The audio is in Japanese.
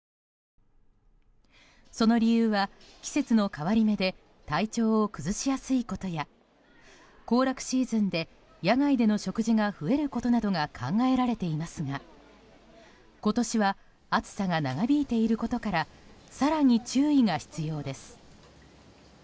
その理由は、季節の変わり目で体調を崩しやすいことや行楽シーズンで野外での食事が増えることなどが考えられていますが今年は暑さが長引いていることから更に注意が必要です。